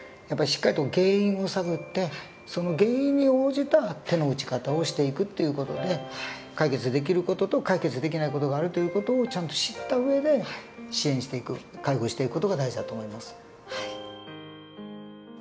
やっぱりしっかりと原因を探ってその原因に応じた手の打ち方をしていくっていう事で解決できる事と解決できない事があるという事をちゃんと知った上で支援していく介護していく事が大事だと思います。